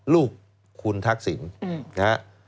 ลูกคุณทักษิง